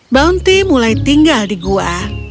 bounty mulai tinggal di gua